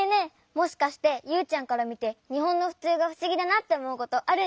もしかしてユウちゃんからみてにほんのふつうがふしぎだなっておもうことあるんじゃない？